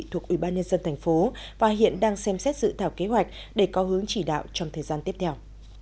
thuộc ủy ban nhân dân thành phố và hiện đang xem xét dự thảo kế hoạch để có hướng chỉ đạo trong thời gian tiếp theo